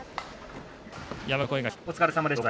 お疲れさまでした。